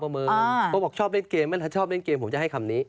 เขาบอกชอบเล่นเกมเวลาชอบเล่นเกมผมจะให้คำนี้